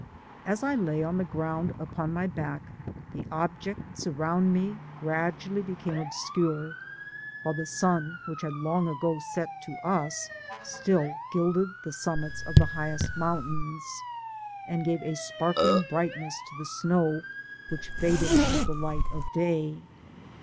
As I lay on the ground upou my back, the ob jects around me gradually became obscure, while the sun, which had long ago set to us, still gilded the summits of the highest mountains, and gave a sparkling brightness to the snow which faded with the light of day.